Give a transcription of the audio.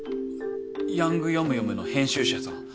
『ヤングヨムヨム』の編集者さん。